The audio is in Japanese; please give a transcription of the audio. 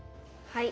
はい。